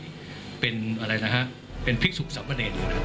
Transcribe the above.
ทั้งจากเป็นข้าวข่ายเป็นพริกสุขสำเนต